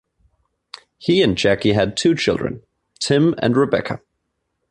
He and Jackie had two children, Tim and Rebecca.